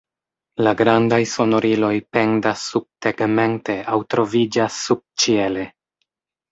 La grandaj sonoriloj pendas subtegmente aŭ troviĝas subĉiele.